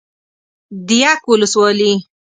ديک ولسوالي